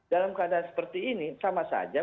dalam keadaan seperti ini sama saja